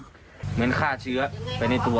เหมือนฆ่าเชื้อไปในตัว